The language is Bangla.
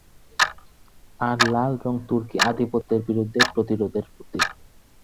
আর লাল রঙ তুর্কি আধিপত্যের বিরুদ্ধে প্রতিরোধের প্রতীক।